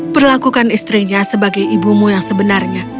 perlakukan istrinya sebagai ibumu yang sebenarnya